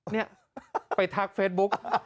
นี่ไปทักเฟซบุ๊ก